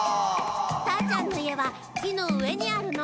ターちゃんのいえはきのうえにあるの。